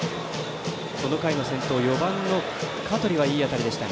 この回の先頭４番の香取はいい当たりでした。